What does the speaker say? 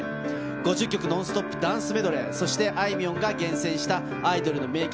５０曲ノンストップダンスメドレー、そしてあいみょんが厳選したアイドルの名曲、